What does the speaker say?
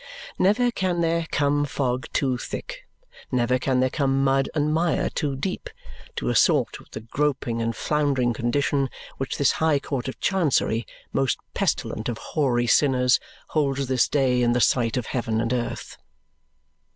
Never can there come fog too thick, never can there come mud and mire too deep, to assort with the groping and floundering condition which this High Court of Chancery, most pestilent of hoary sinners, holds this day in the sight of heaven and earth.